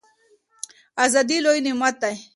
ازادي لوی نعمت دی.